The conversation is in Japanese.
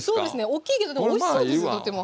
おっきいけどおいしそうですとっても。